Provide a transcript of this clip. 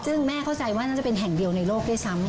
ซึ่งแม่เข้าใจว่าน่าจะเป็นแห่งเดียวในโลกด้วยซ้ำ